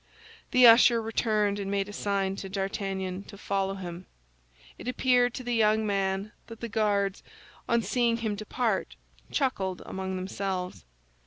The usher returned and made a sign to D'Artagnan to follow him. It appeared to the young man that the Guards, on seeing him depart, chuckled among themselves.